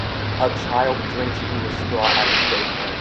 A child drinks through a straw at his daycare.